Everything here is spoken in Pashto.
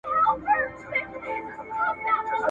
څېړنه ځینې وختونه له ستورو پېژندنې سره تړاو پیدا کوي.